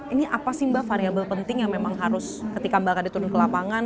ini apa sih mbak variable penting yang memang harus ketika mbak kadi turun ke lapangan